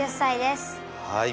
はい。